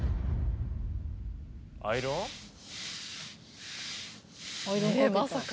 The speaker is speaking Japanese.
アイロン？えまさか。